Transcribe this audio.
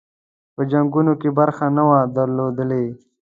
په جنګونو کې برخه نه وي درلودلې.